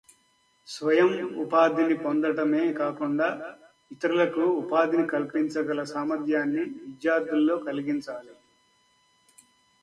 స్వయం ఉపాధిని పొందటమే కాకుండా ఇతరులకూ ఉపాధిని కల్పించగల సామర్థ్యాన్ని విద్యార్థుల్లో కలిగించాలి